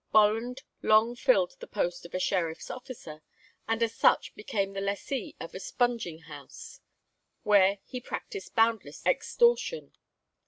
Bolland long filled the post of a sheriff's officer, and as such became the lessee of a spunging house, where he practised boundless extortion.